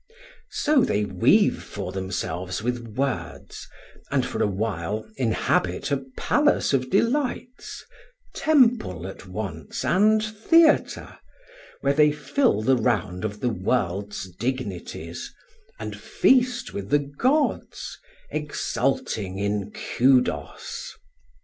So they weave for themselves with words and for a while inhabit a palace of delights, temple at once and theatre, where they fill the round of the world's dignities, and feast with the gods, exulting in Kudos.